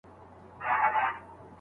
مړی نه وو یوه لویه هنګامه وه